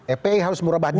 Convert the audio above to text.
epi harus murah badi